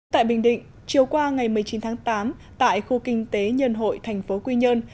tại bình định chiều qua ngày một mươi chín tháng tám tại khu kinh tế nhân hội thành phố quy nhơn